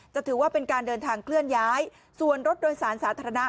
ถือว่าเป็นการเดินทางเคลื่อนย้ายส่วนรถโดยสารสาธารณะ